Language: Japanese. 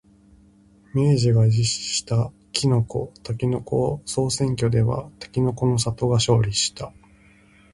明治が実施したきのこ、たけのこ総選挙ではたけのこの里が勝利した。